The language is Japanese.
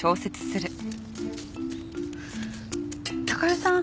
貴代さん